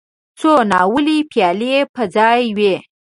څو ناولې پيالې په ځای وې.